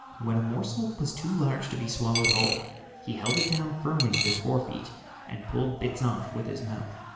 When a morsel was too large to be swallowed whole, he held it down firmly with his fore feet and pulled bits off with his mouth.